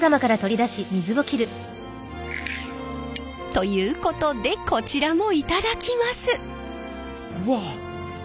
ということでこちらも頂きます！